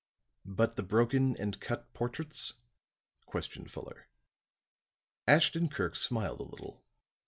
"But the broken and cut portraits?" questioned Fuller. Ashton Kirk smiled a little.